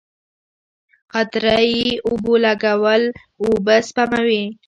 قطره یي اوبولګول اوبه سپموي.